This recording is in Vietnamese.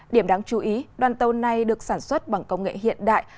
điểm đáng chú ý đoàn tàu này được sản xuất bằng công nghệ hiện đại